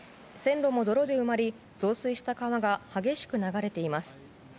線路も泥で埋まり、増水した川が激しく流れています。